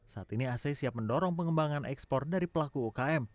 saat ini ac siap mendorong pengembangan ekspor dari pelaku ukm